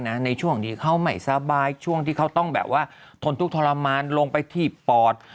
นะในช่วงนี้เข้าใหม่สบายช่วงที่เขาต้องแบบว่าถนทุกธรรมรงค์ไปที่ปอร์ต